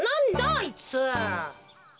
あいつ。